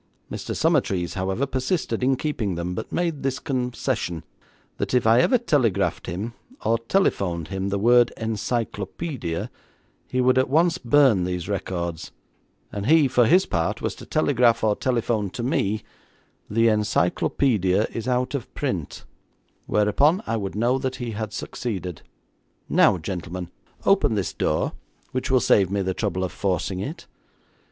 Mr. Summertrees, however, persisted in keeping them, but made this concession, that if I ever telegraphed him or telephoned him the word "Encyclopaedia", he would at once burn these records, and he, on his part, was to telegraph or telephone to me "The Encyclopaedia is out of print," whereupon I would know that he had succeeded. 'Now, gentlemen, open this door, which will save me the trouble of forcing it.